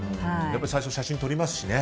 最初、写真を撮りますしね。